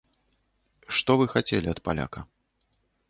Што вы хацелі ад паляка.